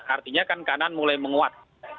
artinya kan kanan mulai menguat